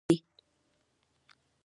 بوټونه د لباس سره همغږي غواړي.